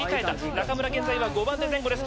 中村現在は５番手前後です。